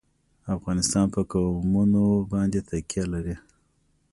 افغانستان په قومونه باندې تکیه لري.